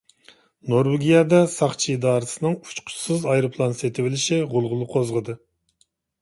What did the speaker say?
نورۋېگىيەدە ساقچى ئىدارىسىنىڭ ئۇچقۇچىسىز ئايروپىلان سېتىۋېلىشى غۇلغۇلا قوزغىدى.